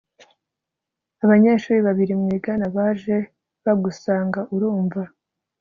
Abanyeshuri babiri mwigana baje bagusanga Urumva